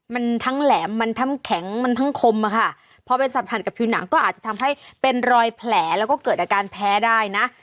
มันทั้งแหลมมันทั้งแข็งมันทั้งคมอะค่ะพอไปสัมผัสกับผิวหนังก็อาจจะทำให้เป็นรอยแผลแล้วก็เกิดอาการแพ้ได้นะ